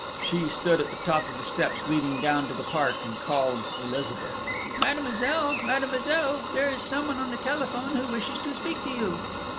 She stood at the top of the steps leading down to the park and called Elizabeth. "Mademoiselle! Mademoiselle! There is someone on the telephone who wishes to speak to you!"